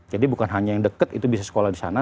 jadi bukan hanya yang deket itu bisa sekolah di sana